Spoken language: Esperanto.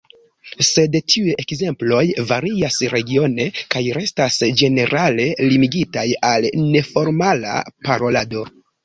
Sed tiuj ekzemploj varias regione kaj estas ĝenerale limigitaj al neformala parolado.